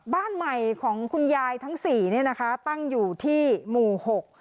บ้านใหม่ของคุณยายทั้งสี่เนี่ยนะคะตั้งอยู่ที่หมู่หก